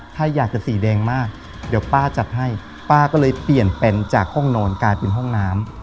ถ้าอยากจะสีแดงมากเดี๋ยวป้าจัดให้ป้าก็เลยเปลี่ยนเป็นจากห้องนอนกลายเป็นห้องน้ำ